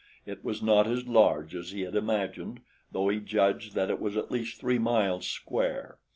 It was not as large as he had imagined, though he judged that it was at least three miles square.